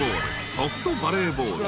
ソフトバレーボール。